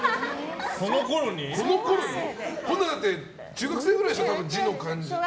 このころに？だって、中学生くらいでしょ字の感じ。